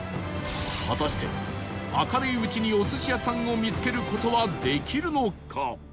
果たして明るいうちにお寿司屋さんを見つける事はできるのか？